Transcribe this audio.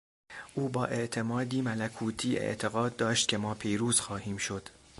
او با اعتمادی ملکوتی اعتقاد داشت که ما پیروز خواهیم شد.